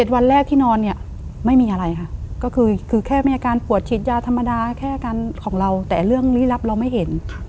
วันแรกที่นอนเนี่ยไม่มีอะไรค่ะก็คือแค่มีอาการปวดฉีดยาธรรมดาแค่อาการของเราแต่เรื่องลี้ลับเราไม่เห็น